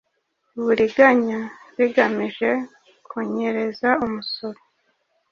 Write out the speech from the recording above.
uburiganya bigamije kunyereza umusoro